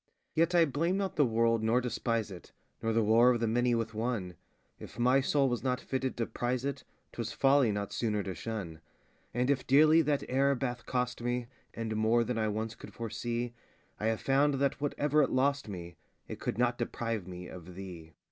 Yet I blame not the world, nor despise it, Nor the war of the many with oneŌĆö If my soul was not fitted to prize it, ŌĆÖTwas folly not sooner to shun: And if dearly that error bath cost me, And more than I once could foresee, I have found that whatever it lost me, It could not deprive me of _thee.